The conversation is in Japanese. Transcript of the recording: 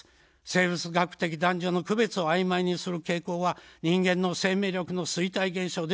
生物学的男女の区別を曖昧にする傾向は人間の生命力の衰退現象ではないでしょうか。